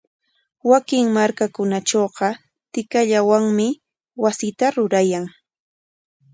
Wakin markakunatrawqa tikallawanmi wasita rurayan.